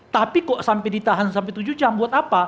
tapi kok sampai ditahan sampai tujuh jam buat apa